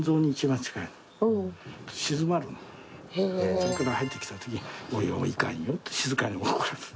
それから入ってきたときおいおいいかんよって静かに怒らす。